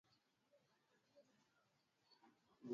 utoto wake wakati wazazi wake walipokimbilia pamoja naye Misri kwa